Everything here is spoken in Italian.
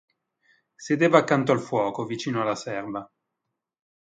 Sedeva accanto al fuoco, vicino alla serva.